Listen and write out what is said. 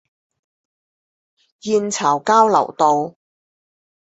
燕巢交流道